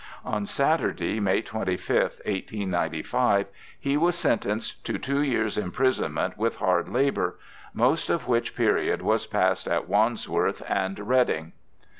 On Saturday, May 25th, 1895, he was sentenced to two years' imprisonment with hard labour, most of which period was passed at Wandsworth and Reading.